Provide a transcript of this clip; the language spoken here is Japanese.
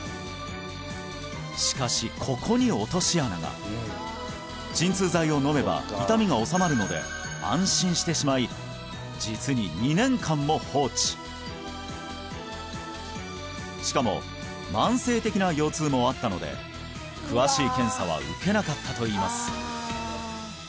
しかしここに落とし穴が鎮痛剤を飲めば痛みが治まるので安心してしまい実に２年間も放置しかも慢性的な腰痛もあったので詳しい検査は受けなかったといいます